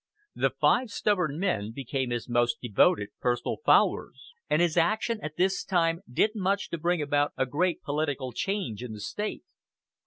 The five stubborn men became his most devoted personal followers; and his action at this time did much to bring about a great political change in the State.